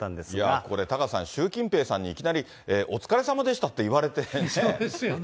これ、タカさん、習近平さんにいきなりお疲れさまでしたって言われてね。